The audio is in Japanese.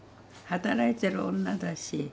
働いてる女だし。